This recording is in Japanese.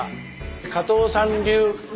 加藤さん流の。